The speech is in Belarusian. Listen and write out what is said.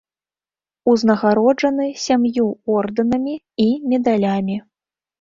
Узнагароджаны сям'ю ордэнамі і медалямі.